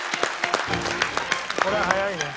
これは早いね。